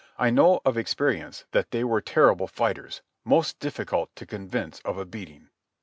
I know of experience that they were terrible fighters, most difficult to convince of a beating.